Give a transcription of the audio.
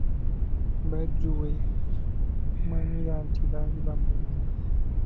Badru we manyira nti baali bamulimba.